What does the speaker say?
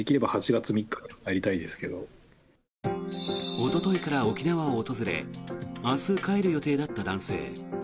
おとといから沖縄を訪れ明日帰る予定だった男性。